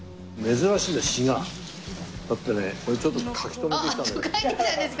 だってね俺ちょっと書き留めてきたんだけど。